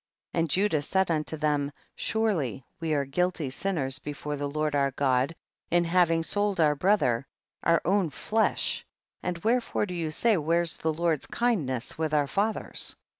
And Judah said unto them, surely we are guilty sinners before the Lord our God in having sold our brother, our own flesh, and where fore do you say, where is the Lord's kindness with our fathers